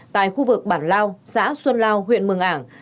tại khu vực bản lao xã xuân lao huyện mường ảng